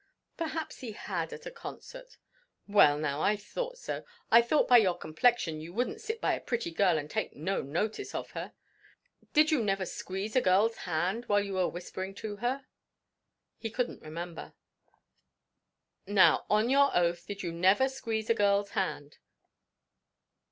Perhaps he had at a concert. "Well, now, I thought so. I thought by your complexion you wouldn't sit by a pretty girl, and take no notice of her. Did you never squeeze a girl's hand while you were whispering to her?" He couldn't remember. "Now, on your oath did you never squeeze a girl's hand?"